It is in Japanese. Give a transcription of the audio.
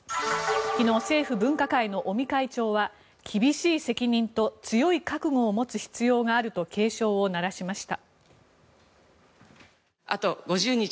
昨日、政府分科会の尾身会長は厳しい責任と強い覚悟を持つ必要があると警鐘を鳴らしました。